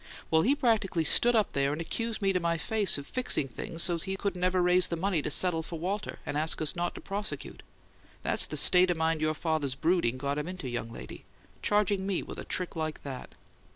Well, he practically stood up there and accused me to my face of fixing things so't he couldn't ever raise the money to settle for Walter and ask us not to prosecute. That's the state of mind your father's brooding got him into, young lady charging me with a trick like that!"